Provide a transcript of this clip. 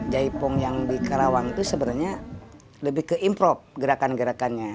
jaipong yang di karawang itu sebenarnya lebih ke improve gerakan gerakannya